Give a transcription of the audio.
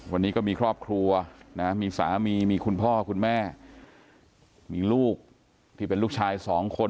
วันนี้ก็มีครอบครัวนะมีสามีมีคุณพ่อคุณแม่มีลูกที่เป็นลูกชายสองคน